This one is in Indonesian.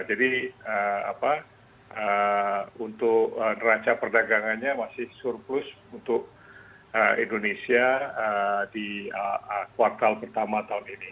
jadi untuk raca perdagangannya masih surplus untuk indonesia di kuartal pertama tahun ini